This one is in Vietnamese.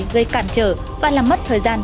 gây cản trở và làm mất thời gian